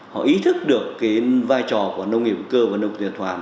họ ý thức được vai trò của nông nghiệp cơ và nông nghiệp tiền toàn